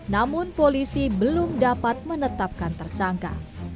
namun polisi belum dapat menetapkan tersangka